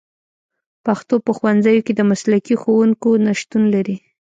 پښتو په ښوونځیو کې د مسلکي ښوونکو نشتون لري